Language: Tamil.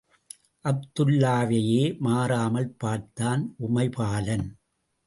அப்துல்லாவையே மாறாமல் பார்த்தான் உமைபாலன்.